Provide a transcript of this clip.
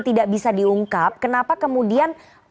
tidak bisa diungkap kenapa kemudian